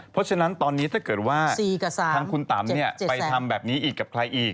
เพราะฉะนั้นตอนนี้ถ้าเกิดว่าทางคุณตำไปทำแบบนี้อีกกับใครอีก